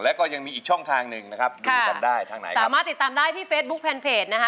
แล้วก็ยังมีอีกช่องทางหนึ่งนะครับดูกันได้ทางไหนสามารถติดตามได้ที่เฟซบุ๊คแฟนเพจนะฮะ